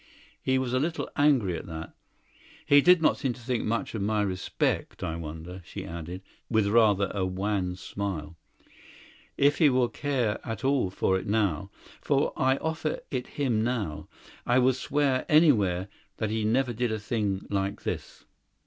He was a little angry at that; he did not seem to think much of my respect. I wonder," she added, with rather a wan smile, "if he will care at all for it now. For I offer it him now. I will swear anywhere that he never did a thing like this."